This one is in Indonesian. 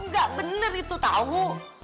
gak bener itu tau